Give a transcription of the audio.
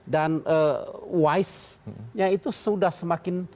dan wise nya itu sudah selesai